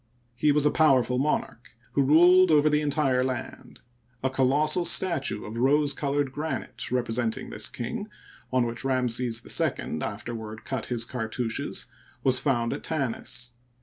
He was a powerful monarch, who ruled over the entire land. A colossal statue of rose colored granite representing this king, on which Ramses II afterward cut his cartouches, was found at Tanis.